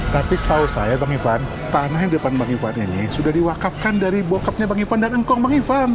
tapi setahu saya bang ipan tanah yang depan bang ivannya ini sudah diwakafkan dari bokapnya bang ipan dan engkong bang ipan